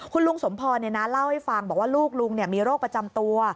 คุณลุงสมพรเล่าให้ฟังบอกว่าลูกลุงมีโรคประจำตัว